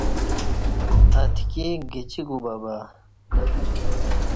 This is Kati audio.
اتی گجی کوبہبہ